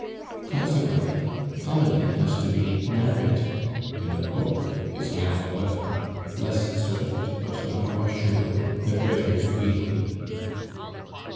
Consequently, comedy has to be narrated, and a book is now the weapon less swift, but no more sure that writers wield.